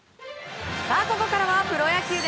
ここからはプロ野球。